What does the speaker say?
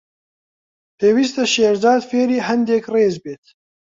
پێویستە شێرزاد فێری هەندێک ڕێز بێت.